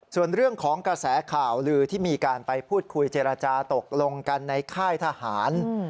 ส่วนเรื่องของกระแสข่าวลือที่มีการไปพูดคุยเจรจาตกลงกันในค่ายทหาร